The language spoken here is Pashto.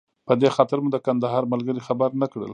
په دې خاطر مو د کندهار ملګري خبر نه کړل.